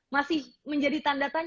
masih menjadi tanda tanya